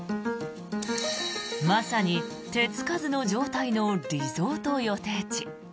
まさに手付かずの状態のリゾート予定地。